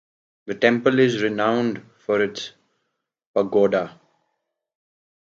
The temple is renowned for its pagoda.